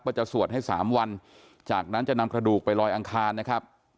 จะสวดให้๓วันจากนั้นจะนำกระดูกไปลอยอังคารนะครับ